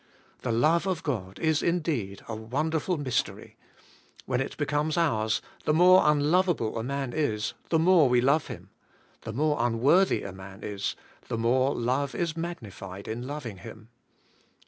The love of God is indeed a wonderful mystery; when it becomes ours the more unlovable a man is the more we love him, the more unworthy a man is the more love is magnified in loving him.